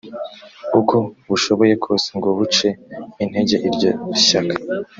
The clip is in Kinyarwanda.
uko bushoboye kose ngo buce intege iryo shyaka